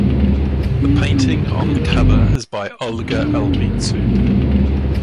The painting on the cover is by Olga Albizu.